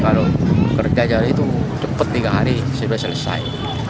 kalau kerja cari itu cepat tiga hari sudah selesai